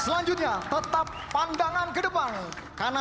dan kemampuan terbuka